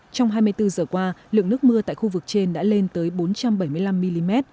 trong hai mươi bốn giờ qua lượng nước mưa tại khu vực trên đã lên tới bốn trăm bảy mươi năm mm